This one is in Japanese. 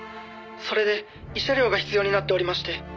それで慰謝料が必要になっておりまして」